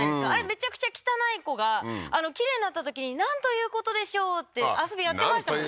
めちゃくちゃ汚い子がきれいになったときに「なんということでしょう」って遊びやってましたもん